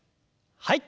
はい。